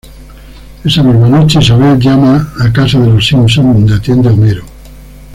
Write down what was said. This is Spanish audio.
Esa misma noche, Isabel llama a casa de los Simpsons, dónde atiende Homero.